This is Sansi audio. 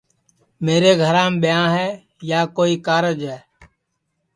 میرے گھرام ٻیاں ہے یا کوئی کارج ہے